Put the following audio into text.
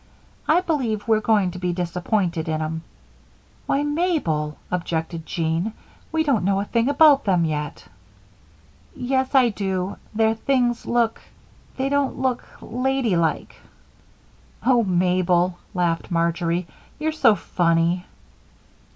"I b'lieve we're going to be disappointed in 'em." "Why, Mabel," objected Jean, "we don't know a thing about them yet." "Yes, I do too. Their things look they don't look ladylike." "Oh, Mabel," laughed Marjory, "you're so funny."